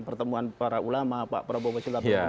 pertemuan para ulama pak prabowo silaturahmi